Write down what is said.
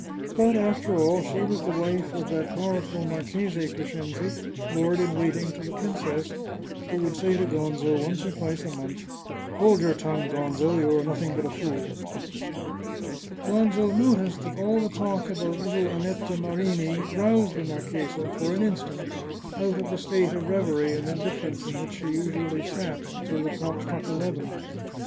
But, after all, she was the wife of that powerful Marchese Crescenzi, lord in waiting to the prin cess, who would say to Gonzo once or twice a month, " Hold your tongue, Gonzo, you are nothing but a fool." Gonzo noticed that all the talk about little Annetta Marini roused the marchesa, for an instant, out of the state of reverie and indifference in which she usually sat, until the clock struck eleven.